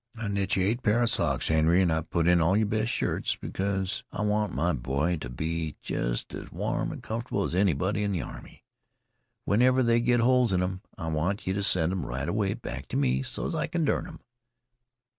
"I've knet yeh eight pair of socks, Henry, and I've put in all yer best shirts, because I want my boy to be jest as warm and comf'able as anybody in the army. Whenever they get holes in 'em, I want yeh to send 'em right away back to me, so's I kin dern 'em.